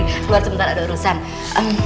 keluar sebentar ada urusan